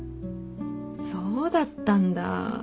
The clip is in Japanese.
そうだったんだ。